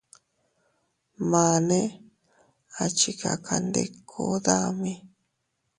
Mane a chikakandiku dami.